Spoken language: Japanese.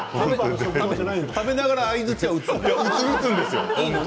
食べながら相づちは打つのよ。